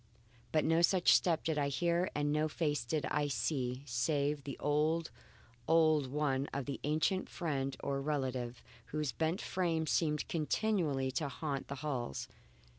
But no such step did I hear, and no face did I see save the old, old one of the ancient friend or relative, whose bent frame seemed continually to haunt the halls.